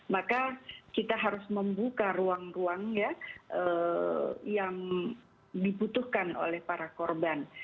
maka kita harus membuka ruang ruang yang dibutuhkan oleh para korban